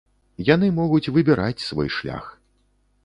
Яны могуць выбіраць свой шлях.